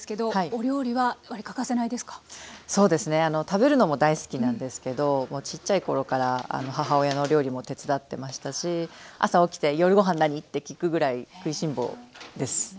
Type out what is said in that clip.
食べるのも大好きなんですけどちっちゃい頃から母親の料理も手伝ってましたし朝起きて「夜ご飯何？」って聞くぐらい食いしん坊です。